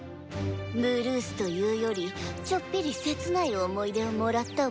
ブルースというよりちょっぴり切ない思い出をもらったわ。